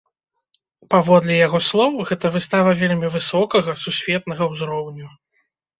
Паводле яго слоў, гэта выстава вельмі высокага, сусветнага ўзроўню.